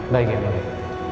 baik ya bapak